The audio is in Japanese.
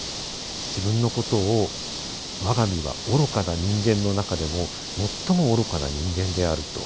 自分のことを「我が身は愚かな人間の中でも最も愚かな人間である」と。